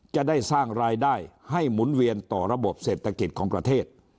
จะได้สร้างรายได้ให้หมุนเวียนต่อระบบเศรษฐกิจของประเทศ